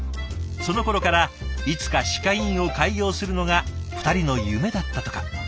そのころからいつか歯科医院を開業するのが２人の夢だったとか。